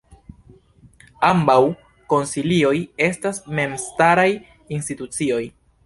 Ambaŭ konsilioj estas memstaraj institucioj.